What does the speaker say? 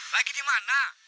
lagi di mana